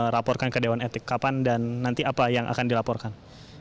laporkan ke dewan etik kapan dan nanti apa yang akan dilaporkan